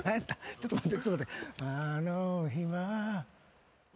ちょっと待って。